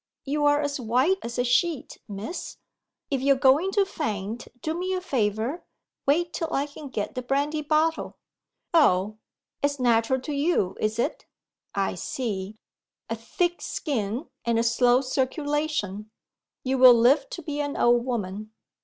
You're as white as a sheet, Miss. If you're going to faint, do me a favour wait till I can get the brandy bottle. Oh! it's natural to you, is it? I see. A thick skin and a slow circulation; you will live to be an old woman.